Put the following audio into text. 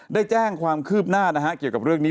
ได้แจ้งความคืบหน้านะฮะเกี่ยวกับเรื่องนี้